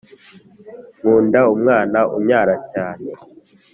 nkunda umwana unyara cyane